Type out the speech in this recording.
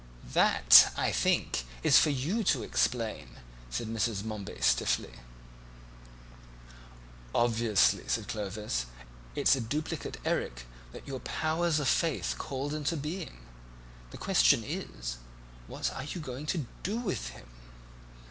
"That, I think, is for you to explain," said Mrs. Momeby stiffly. "Obviously," said Clovis, "it's a duplicate Erik that your powers of faith called into being. The question is: What are you going to do with him?"